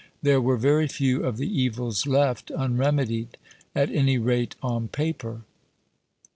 There were very few of the evils left unremedied at any rate on paper.